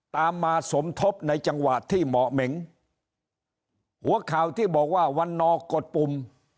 ตามมาสมทบในจังหวะที่เหมาะเหม็งหัวข่าวที่บอกว่าวันนอกดปุ่ม